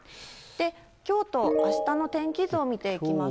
きょうとあしたの天気図を見ていきますと。